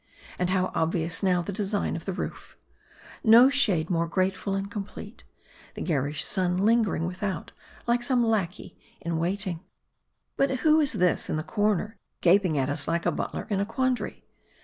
And how obvious now the design of the roof. No shade more grateful and complete ; the garish sun lingering without like some lackey in waiting. M A R D I. 203 But who is this in the corner, gaping at us like a butler in a quandary